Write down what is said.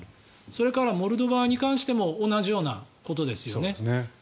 それからモルドバに関しても同じようなことですよね。